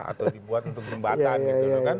atau dibuat untuk jembatan gitu kan